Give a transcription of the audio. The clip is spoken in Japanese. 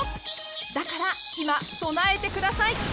だから今、備えてください。